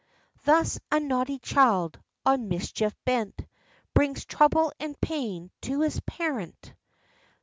Thus, a naughty child, on mischief bent, Brings trouble and pain to his parent.